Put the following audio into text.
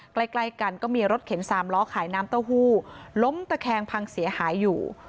ใกล้ใกล้กันก็มีรถเข็นสามล้อขายน้ำเต้าหู้ล้มตะแคงพังเสียหายอยู่